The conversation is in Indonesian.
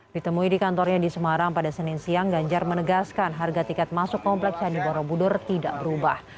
ditemui di kantornya di semarang pada senin siang ganjar menegaskan harga tiket masuk kompleks candi borobudur tidak berubah